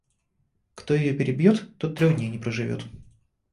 Кто ее перебьет, тот трех дней не проживет.